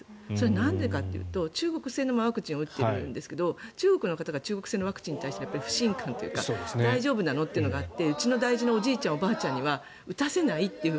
なんでかというと中国製のワクチンを打っていると思うんですが中国の方が中国のワクチンに対して不信感というか大丈夫なのかというのがあってうちのおじいちゃん、おばあちゃんには打たせないという。